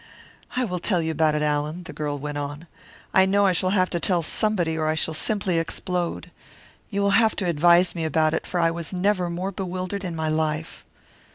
"I will tell you about it, Allan," the girl went on. "I know I shall have to tell somebody, or I shall simply explode. You will have to advise me about it, for I was never more bewildered in my life."